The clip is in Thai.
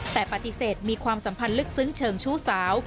แต่ปฏิเสธมีความสัมพันธ์ลึกซึ้งเชิงชู้สาว